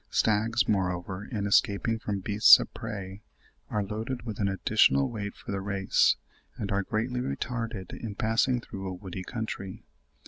Stags, moreover, in escaping from beasts of prey are loaded with an additional weight for the race, and are greatly retarded in passing through a woody country.